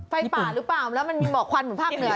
ไฟป่าหรือเปล่าแล้วมันมีหมอกควันเหมือนภาคเหนือ